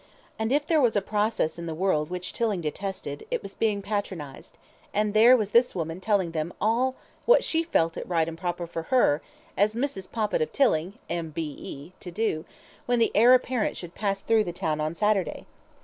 ... And if there was a process in the world which Tilling detested, it was being patronized, and there was this woman telling them all what she felt it right and proper for her, as Mrs. Poppit of Tilling (M.B.E.), to do, when the Heir Apparent should pass through the town on Saturday.